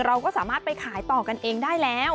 เราก็สามารถไปขายต่อกันเองได้แล้ว